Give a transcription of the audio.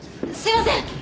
すいません！